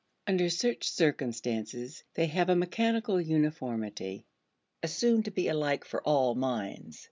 Under such circumstances, they have a mechanical uniformity, assumed to be alike for all minds.